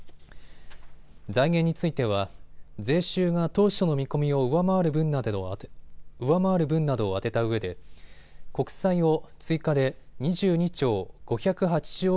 財源については税収が当初の見込みを上回る分などを充てたうえで国債を追加で２２兆５８０億